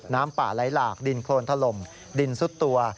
น้ำป่าไหลหลากดินโครนถล่มดินซุดตัว